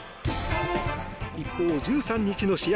一方、１３日の試合